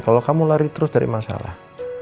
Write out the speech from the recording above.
kalau kamu lari terus dari masalah